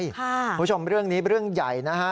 คุณผู้ชมเรื่องนี้เรื่องใหญ่นะฮะ